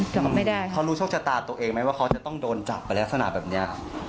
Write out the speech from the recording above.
ก็ไม่ได้ค่ะเขารู้โชคชะตาตัวเองไหมว่าเขาจะต้องโดนจับไปลักษณะแบบนี้